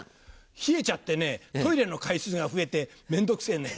冷えちゃってねトイレの回数が増えて面倒くせぇね。